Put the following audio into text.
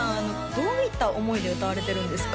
どういった思いで歌われてるんですか？